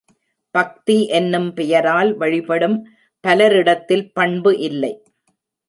பக்தி என்னும் பெயரால் வழிபடும் பலரிடத்தில் பண்பு இல்லை.